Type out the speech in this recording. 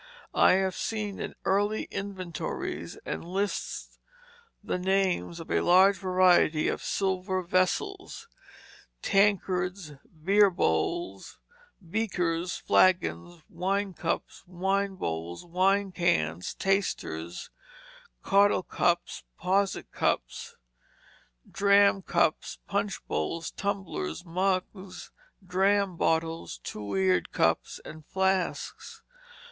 I have seen in early inventories and lists the names of a large variety of silver vessels: tankards, beer bowls, beakers, flagons, wine cups, wine bowls, wine cans, tasters, caudle cups, posset cups, dram cups, punch bowls, tumblers, mugs, dram bottles, two eared cups, and flasks.